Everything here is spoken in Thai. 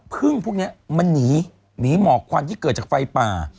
พึ่งพวกนี้มันหนีหนีหมอกควันที่เกิดจากไฟป่า